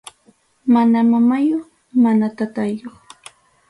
Mana mamayuq mana taytayuq.